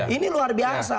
ini luar biasa